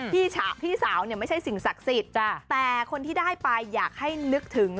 พี่สาวเนี่ยไม่ใช่สิ่งศักดิ์สิทธิ์แต่คนที่ได้ไปอยากให้นึกถึง